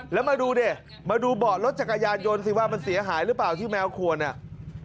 แล้วมาดูดิมาดูเบาะรถจักรยานยนต์สิว่ามันเสียหายหรือเปล่าที่แมวควรอ่ะ